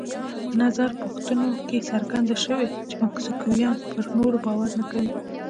په نظر پوښتنو کې څرګنده شوې چې مکسیکویان پر نورو باور نه کوي.